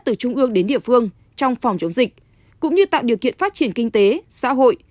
từ trung ương đến địa phương trong phòng chống dịch cũng như tạo điều kiện phát triển kinh tế xã hội